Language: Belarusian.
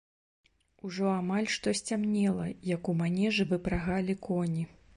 Ужо амаль што сцямнела, як у манежы выпрагалі коні.